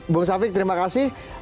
buang safiq terima kasih